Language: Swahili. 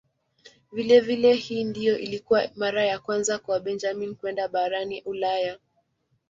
Vilevile hii ndiyo ilikuwa mara ya kwanza kwa Benjamin kwenda barani Ulaya.